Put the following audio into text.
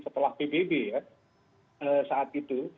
telah pbb saat itu